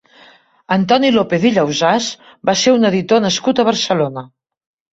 Antoni López i Llausàs va ser un editor nascut a Barcelona.